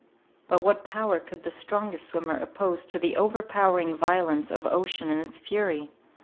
But what power could the strongest swimmer oppose to the overpowering violence of ocean in its fury?